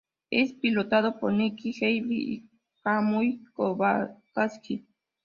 Es pilotado por Nick Heidfeld y Kamui Kobayashi.